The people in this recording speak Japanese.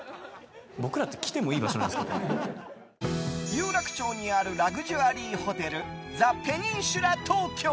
有楽町にあるラグジュアリーホテルザ・ペニンシュラ東京。